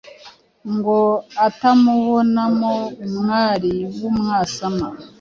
ngo atamubonamo umwari w'umwasama